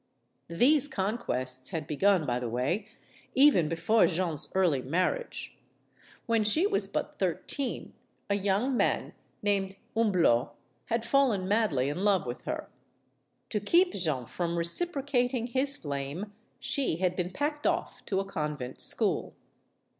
These conquests had begun, by the way, even be fore Jeanne's early marriage. When she was but thir teen, a young man named Humblot had fallen madly in love with her. To keep Jeanne from reciprocating his flame, she had been packed off to a convent school.